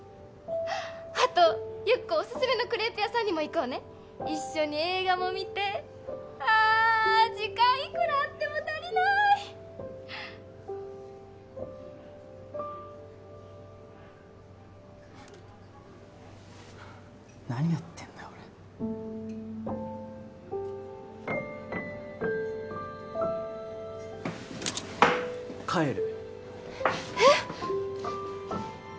あとゆっこオススメのクレープ屋さんにも行こうね一緒に映画も見てあぁ時間いくらあっても足りないフッハァ何やってんだ俺帰るえっ？